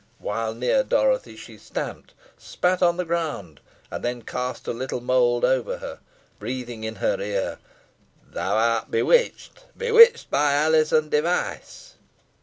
While near Dorothy, she stamped, spat on the ground, and then cast a little mould over her, breathing in her ear, "Thou art bewitched bewitched by Alizon Device."